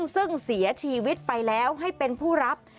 ซึ่งเสียชีวิตไปแล้วให้เป็นผู้รับ